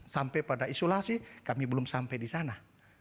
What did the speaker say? sampai pada isolasi kami belum sampai disana